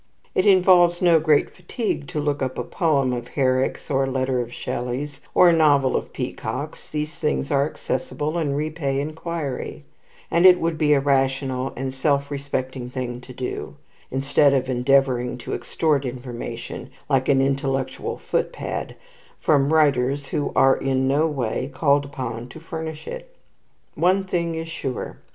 It involves no great fatigue to look up a poem of Herrick's, or a letter of Shelley's, or a novel of Peacock's (these things are accessible and repay enquiry), and it would be a rational and self respecting thing to do, instead of endeavouring to extort information (like an intellectual footpad) from writers who are in no way called upon to furnish it. One thing is sure.